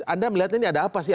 anda melihatnya ini ada apa sih